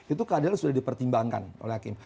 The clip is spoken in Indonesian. itu keadilan sudah dipertimbangkan oleh hakim